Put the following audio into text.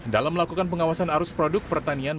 dalam melakukan pengawasan arus produk pertanian